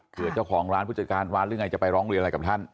เจ้าของร้านผู้จัดการร้านหรือไงจะไปร้องเรียนอะไรกับท่าน